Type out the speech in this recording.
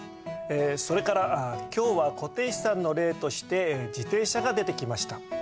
それから今日は固定資産の例として自転車が出てきました。